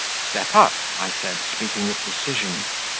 "Step up," I said, speaking with decision.